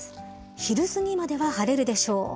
昼過ぎまでは晴れるでしょう。